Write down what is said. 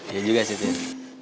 iya juga sih tin